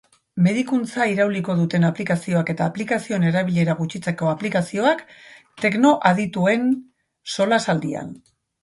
Medikuntza irauliko duten aplikazioak, eta aplikazioen erabilera gutxitzeko aplikazioak, teknoadituen solasaldian.